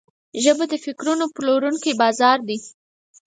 ژبه د فکرونو پلورونکی بازار ده